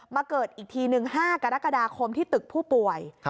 เกิดอีกทีหนึ่ง๕กรกฎาคมที่ตึกผู้ป่วย